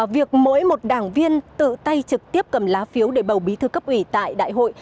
việc mỗi một đảng viên tự tay trực tiếp cầm lá phiếu để bầu bí thư cấp ủy tại đại hội